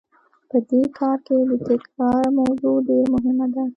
په دې کار کې د تکرار موضوع ډېره مهمه ده.